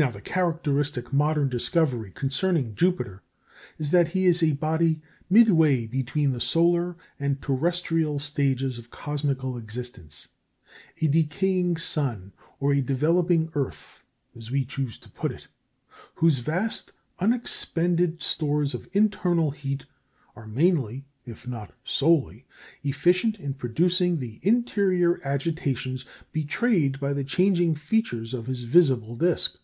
Now the characteristic modern discovery concerning Jupiter is that he is a body midway between the solar and terrestrial stages of cosmical existence a decaying sun or a developing earth, as we choose to put it whose vast unexpended stores of internal heat are mainly, if not solely, efficient in producing the interior agitations betrayed by the changing features of his visible disc.